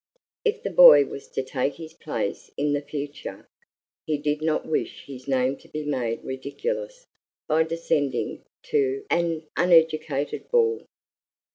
If the boy was to take his place in the future, he did not wish his name to be made ridiculous by descending to an uneducated boor.